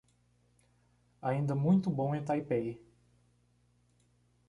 Ainda muito bom em Taipei